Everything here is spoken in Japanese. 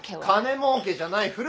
金もうけじゃない。